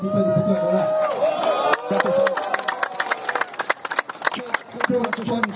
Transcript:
jadi di dalam bujang kehidupan operasi agama indonesia pemerintah indonesia mempunyai panjang hari setelah waktu kemas